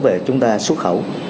về chúng ta xuất khẩu